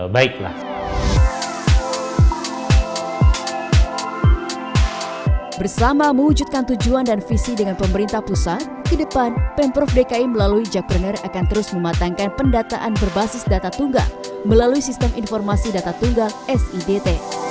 bersama mewujudkan tujuan dan visi dengan pemerintah pusat ke depan pemprov dki melalui jackpreneur akan terus mematangkan pendataan berbasis data tunggal melalui sistem informasi data tunggal sidt